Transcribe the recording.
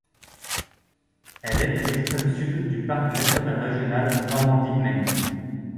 Elle est à l'extrême sud du parc naturel régional Normandie-Maine.